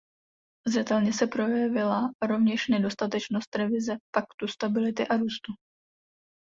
Zřetelně se projevila rovněž nedostatečnost revize Paktu stability a růstu.